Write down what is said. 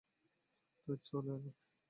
তাই চলে এলাম।